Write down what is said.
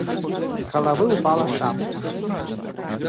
З галавы ўпала шапка.